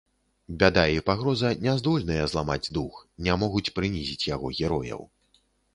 Бяда і пагроза няздольныя зламаць дух, не могуць прынізіць яго герояў.